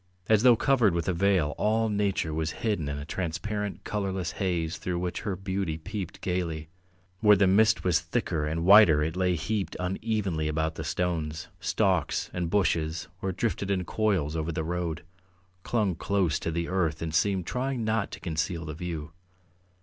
As though covered with a veil all nature was hidden in a transparent, colourless haze through which her beauty peeped gaily; where the mist was thicker and whiter it lay heaped unevenly about the stones, stalks, and bushes or drifted in coils over the road, clung close to the earth and seemed trying not to conceal the view.